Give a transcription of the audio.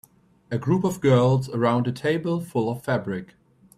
A group of girls around a table full of fabric.